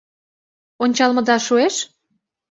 Ончалмыда шуэш?